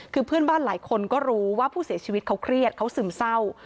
คือเพื่อนบ้านหลายคนก็รู้ว่าผู้เสียชีวิตเขาเครียดเขาซึมเศร้า